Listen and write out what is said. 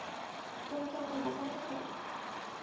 তুমি কি আমাকে বোকা মনে করো?